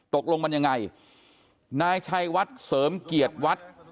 ตกลงมันยังไงนายชัยวัดเสริมเกียรติวัด